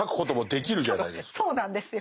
そうなんですよ。